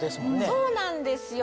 そうなんですよ。